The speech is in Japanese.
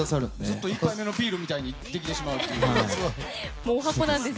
ずっと１杯目のビールみたいにできてしまうんです。